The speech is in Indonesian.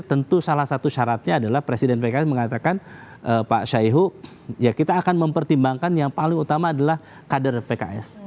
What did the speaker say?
jadi tentu salah satu syaratnya adalah presiden pks mengatakan pak syaihu ya kita akan mempertimbangkan yang paling utama adalah kader pks